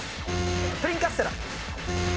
プリンカステラ。